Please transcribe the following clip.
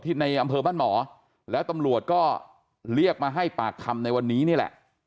ในอำเภอบ้านหมอแล้วตำรวจก็เรียกมาให้ปากคำในวันนี้นี่แหละ